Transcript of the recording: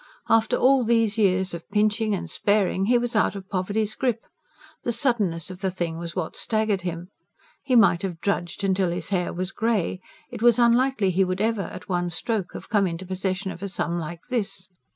After all these years of pinching and sparing he was out of poverty's grip. The suddenness of the thing was what staggered him. He might have drudged till his hair was grey; it was unlikely he would ever, at one stroke, have come into possession of a sum like this.